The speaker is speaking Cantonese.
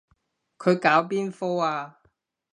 佢搞邊科啊？